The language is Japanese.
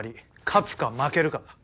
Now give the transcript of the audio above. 勝つか負けるかだ。